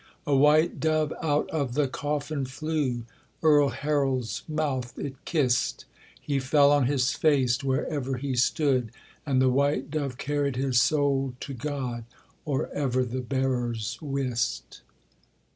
A white dove out of the coffin flew; Earl Harold's mouth it kist; He fell on his face, wherever he stood; And the white dove carried his soul to God Or ever the bearers wist.